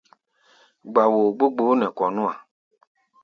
Gba-woo gbó gboó nɛ kɔ̧ nú-a.